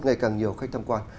ngày càng nhiều khách tham quan